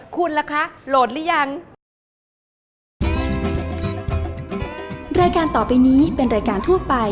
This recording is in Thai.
คุณล่ะคะโหลดหรือยัง